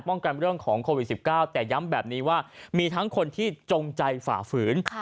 กันเรื่องของโควิด๑๙แต่ย้ำแบบนี้ว่ามีทั้งคนที่จงใจฝ่าฝืน